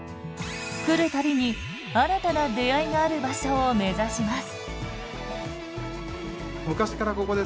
来る度に新たな出会いがある場所を目指します。